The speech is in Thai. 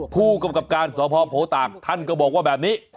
ผู้กำกับการสพโพตากท่านก็บอกว่าแบบนี้